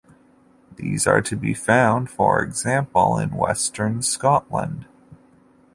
These are to be found, for example, in western Scotland.